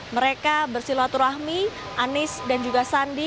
mereka bersilaturahmi anies dan juga sandi